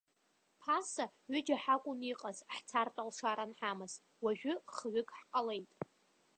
Ԥаса ҩыџьа ҳакәын иҟаз, ҳцартә алшара анҳамаз, уажәы хҩык ҳҟалеит.